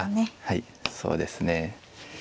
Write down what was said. はいそうですね。